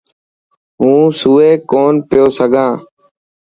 هون سوئي ڪونه پيو سگھان.